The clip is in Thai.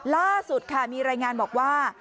ล่าสุดค่ะมีรายงานบอกว่า